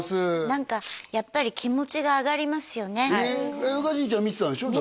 何かやっぱり気持ちが上がりますよねへええっ